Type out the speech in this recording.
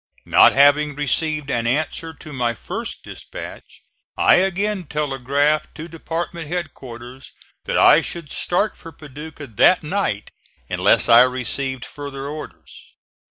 Not having received an answer to my first dispatch, I again telegraphed to department headquarters that I should start for Paducah that night unless I received further orders.